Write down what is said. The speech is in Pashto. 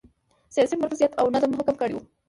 سیاسي مرکزیت او نظم حاکم کړی و.